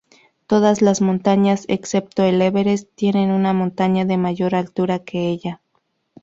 Todas las montañas, excepto el Everest, tienen una montaña de mayor altura que ella.